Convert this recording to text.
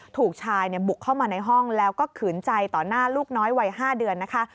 ถูกชายบุกเข้ามาในห้องแล้วก็ขืนใจต่อหน้าลูกน้อยวัย๕เดือนนะคะ